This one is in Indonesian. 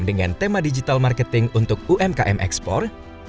dengan tema digital marketing untuk umkm ekspor